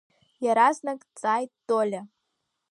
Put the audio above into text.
Иаразнак дҵааит Толиа.